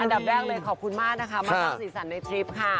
อันดับแรกเลยขอบคุณมากค่ะสีสันในทริปค่ะ